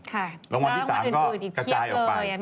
รางวัลที่๓ก็กระจายออกไป